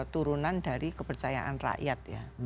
turunan dari kepercayaan rakyat ya